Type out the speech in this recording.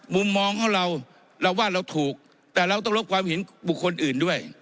มุมมองของเราเราว่าเราถูกแต่เราต้องลบความเห็นบุคคลอื่นด้วย